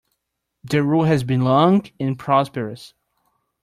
The rule has been long and prosperous.